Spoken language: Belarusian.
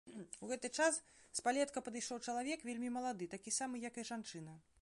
У гэты час з палетка падышоў чалавек, вельмі малады, такі самы, як і жанчына.